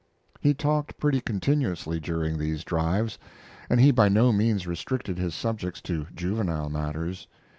He talked pretty continuously during these drives, and he by no means restricted his subjects to juvenile matters.